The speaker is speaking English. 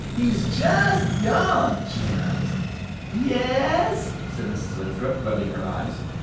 "He's just gone!" she announced. "Yes," said Mrs. Lathrop, rubbing her eyes.